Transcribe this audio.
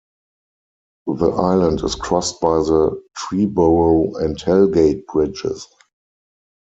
The island is crossed by the Triborough and Hell Gate bridges.